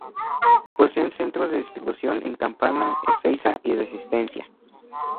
Poseen centros de distribución en Campana, Ezeiza y Resistencia.